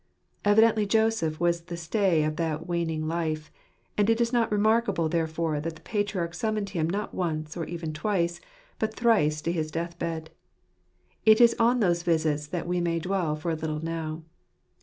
Evidently Joseph was the stay of that waning life; and it is not remarkable therefore that the patriarch summoned him not once, or even twice, but thrice to his death bed. It is on those visits that we may dwell for a little now.